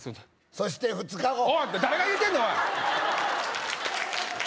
そして２日後誰が言うてんねんおい頭